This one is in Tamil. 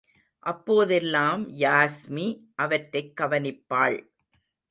அப்போதெல்லாம் யாஸ்மி அவற்றைக் கவனிப்பாள்.